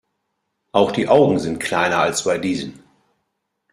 Auch die Augen sind kleiner als bei diesen.